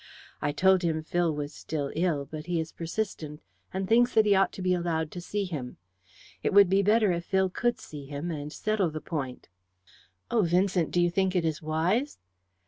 I told him Phil was still ill, but he is persistent, and thinks that he ought to be allowed to see him. It would be better if Phil could see him, and settle the point." "Oh, Vincent, do you think it is wise?"